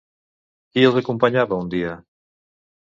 Qui els acompanyava un dia?